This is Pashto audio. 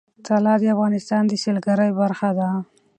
طلا د افغانستان د سیلګرۍ برخه ده.